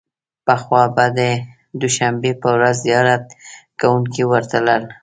پخوا به د دوشنبې په ورځ زیارت کوونکي ورتلل.